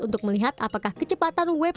untuk melihat apakah kecepatan websi